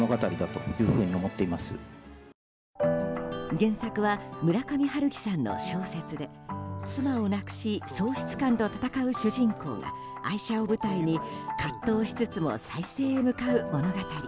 原作は村上春樹さんの小説で妻を亡くし喪失感と闘う主人公が愛車を舞台に葛藤しつつも再生へ向かう物語。